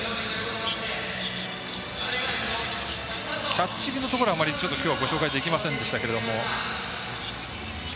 キャッチングのところはきょうはあまりご紹介できませんでしたが。